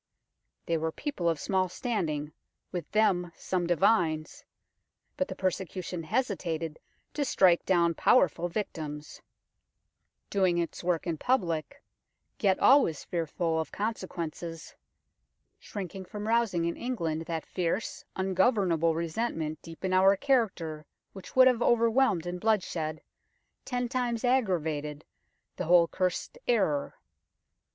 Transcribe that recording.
They were people of small standing, with them some divines, but the persecution hesitated to strike down powerful victims ; doing its THE FIRES OF SMITHFIELD 185 work in public' yet always fearful of conse quences ; shrinking from rousing in England that fierce, ungovernable resentment deep in our character which would have overwhelmed in bloodshed ten times aggravated the whole cursed error.